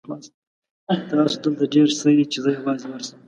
تاسو دلته دېره شئ چې زه یوازې ورشم.